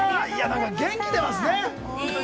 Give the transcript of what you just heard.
元気出ますね。